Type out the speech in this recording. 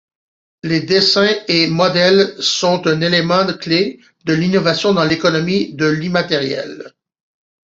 Les dessins et modèles sont un élément clé de l'innovation dans l'économie de l'immatériel.